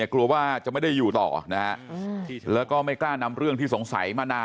กลัวว่าจะไม่ได้อยู่ต่อนะฮะแล้วก็ไม่กล้านำเรื่องที่สงสัยมานาน